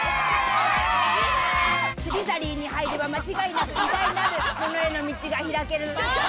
スリザリンに入れば間違いなく偉大なる者への道が開ける。